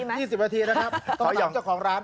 ผมว่านี้สิบนาทีนะครับต้องนำเจ้าของร้าน